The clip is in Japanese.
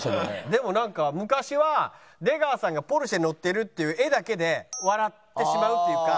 でもなんか昔は出川さんがポルシェ乗ってるっていう画だけで笑ってしまうっていうか。